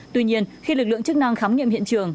tuy nhiên khi lực lượng chức năng khám nghiệm hiện trường